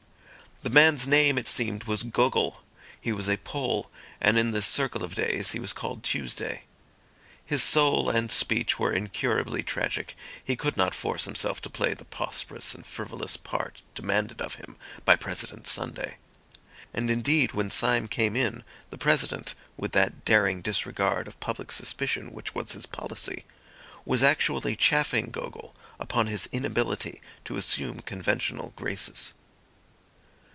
The man's name, it seemed, was Gogol; he was a Pole, and in this circle of days he was called Tuesday. His soul and speech were incurably tragic; he could not force himself to play the prosperous and frivolous part demanded of him by President Sunday. And, indeed, when Syme came in the President, with that daring disregard of public suspicion which was his policy, was actually chaffing Gogol upon his inability to assume conventional graces.